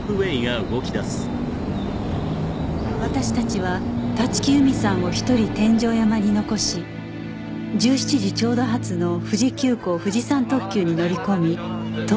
私たちは立木由美さんを１人天上山に残し１７時ちょうど発の富士急行フジサン特急に乗り込み東京へ戻った